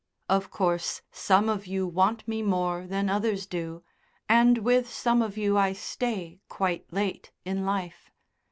Of course, some of you want me more than others do, and with some of you I stay quite late in life.